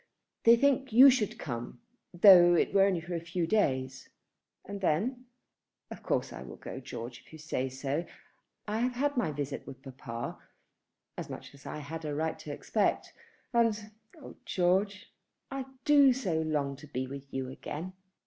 "They think you should come, though it were only for a few days." "And then? Of course I will go, George, if you say so. I have had my visit with papa, as much as I had a right to expect. And, oh George, I do so long to be with you again."